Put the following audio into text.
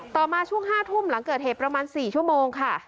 มาช่วง๕ทุ่มหลังเกิดเหตุประมาณ๔ชั่วโมงค่ะ